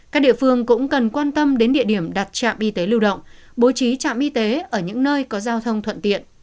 các địa phương cũng cần quan tâm đến địa điểm đặt trạm y tế lưu động bố trí trạm y tế ở những nơi có giao thông thuận tiện